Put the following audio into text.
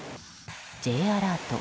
Ｊアラート